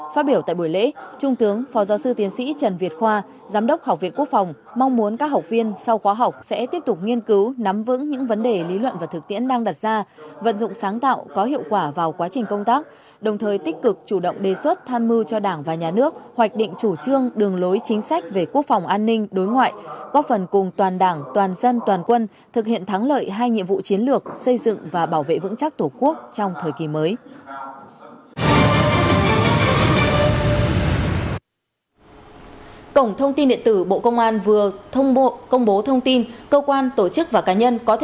phát biểu tại buổi lễ trung tướng phó giáo sư tiến sĩ trần việt khoa giám đốc học viện quốc phòng mong muốn các học viên sau khóa học sẽ tiếp tục nghiên cứu nắm vững những vấn đề lý luận và thực tiễn đang đặt ra vận dụng sáng tạo có hiệu quả vào quá trình công tác đồng thời tích cực chủ động đề xuất tham mưu cho đảng và nhà nước hoạch định chủ trương đường lối chính sách về quốc phòng an ninh đối ngoại góp phần cùng toàn đảng toàn dân toàn quân thực hiện thắng lợi hai nhiệm vụ chiến lược xây dựng và bảo vệ vững chắc